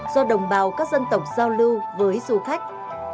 do đồng bào các dân tộc giao lưu với du khách